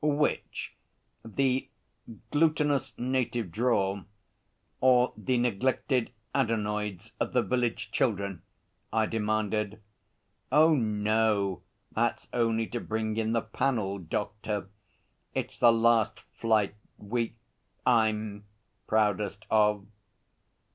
'Which? The "glutinous native drawl," or "the neglected adenoids of the village children"?' I demanded. 'Oh, no! That's only to bring in the panel doctor. It's the last flight we I'm proudest of.'